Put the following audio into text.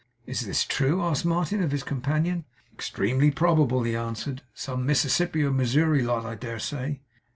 'Is this true?' asked Martin of his companion. 'Extremely probable,' he answered. 'Some Mississippi or Missouri lot, I dare say.